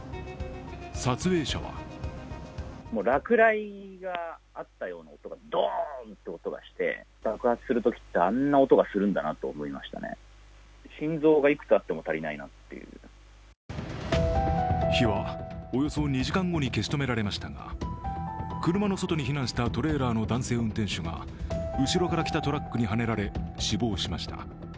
撮影者は火はおよそ２時間後に消し止められましたが車の外に避難したトレーラーの男性運転手が後ろから来たトラックにはねられ死亡しました。